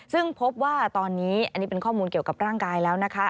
ซึ่งพบว่าตอนนี้อันนี้เป็นข้อมูลเกี่ยวกับร่างกายแล้วนะคะ